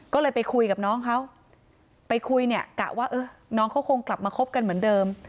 ก็เลยไปคุยกับน้องเขาไปคุยเนี่ยกะว่าเออน้องเขาคงกลับมาคบกันเหมือนเดิม